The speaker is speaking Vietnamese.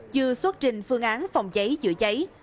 chưa xuất trình phương án phòng cháy chữa cháy